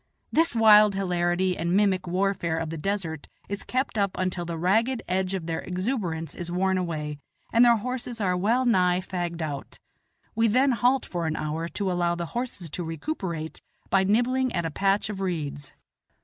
This wild hilarity and mimic warfare of the desert is kept up until the ragged edge of their exuberance is worn away, and their horses are well nigh fagged out; we then halt for an hour to allow the horses to recuperate by nibbling at a patch of reeds.